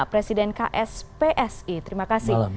presiden kspsi terima kasih